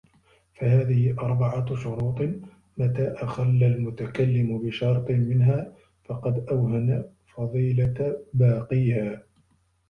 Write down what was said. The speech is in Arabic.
فَهَذِهِ أَرْبَعَةُ شُرُوطٍ مَتَى أَخَلَّ الْمُتَكَلِّمُ بِشَرْطٍ مِنْهَا فَقَدْ أَوْهَنَ فَضِيلَةَ بَاقِيهَا